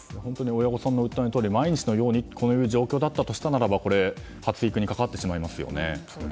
親御さんの訴えのとおり毎日のようにこういう状況でしたら発育に関わってしまいますね。